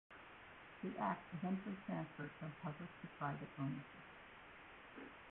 The Act eventually transferred from public to private ownership.